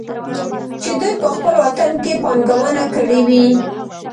چې دوي په خپل وطن کې پانګونه کړى وى.